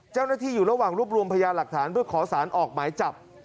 เจ้าหน้าที่อยู่ระหว่างรวบรวมพยาหลักฐานเพื่อขอสารออกหมายจับ